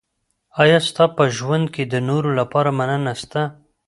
ایا ستا په ژوند کي د نورو لپاره مننه سته؟